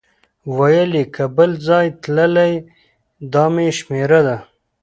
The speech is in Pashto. ویل یې که بل ځای تللی دا مې شمېره ده.